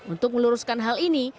untuk meluruskan hal ini